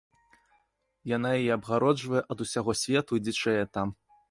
Яна яе абгароджвае ад усяго свету і дзічэе там.